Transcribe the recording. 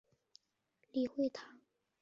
李惠堂故居的历史年代为清代。